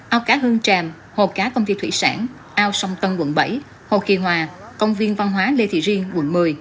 ao cá hương tràm hồ cá công ty thủy sản ao sông tân quận bảy hồ kỳ hòa công viên văn hóa lê thị riêng quận một mươi